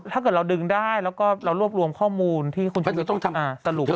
ถ้าเกิดเราดึงได้แล้วก็เรารวบรวมข้อมูลที่คุณชูวิทย์ต้องสรุป